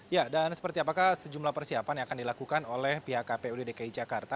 ya dan seperti apakah sejumlah persiapan yang akan dilakukan oleh pihak kpud dki jakarta